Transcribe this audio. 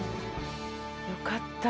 よかった。